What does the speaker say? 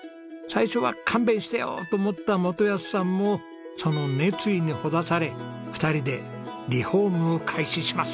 最初は「勘弁してよ！」と思った基保さんもその熱意にほだされ２人でリフォームを開始します。